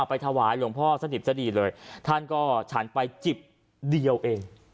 ไปถวายหลวงพ่อสดิบสดีเลยท่านก็ฉันไปจิบเดียวเอง